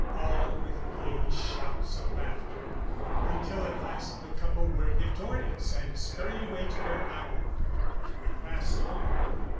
] All with gay shouts of laughter; until at last the couple were victorious and scurried away to their island. We passed on.